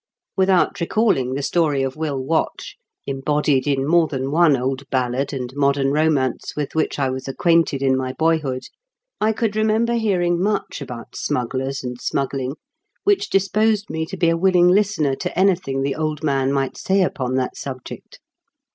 Without recalling the story of Will Watch, embodied in more than one old ballad and modem romance with which I was acquainted in my boyhood, I could remember hearing much about smugglers and smuggling which disposed me to be a willing listener to any thing the old man might say upon that sub ject.